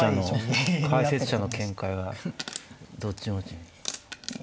解説者の見解はどっち持ち？